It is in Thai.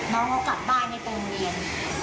น้องเขากลับบ้านไม่ไปโรงเรียน